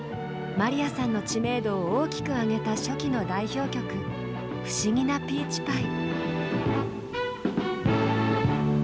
まりやさんの知名度を大きく上げた初期の代表曲「不思議なピーチパイ」。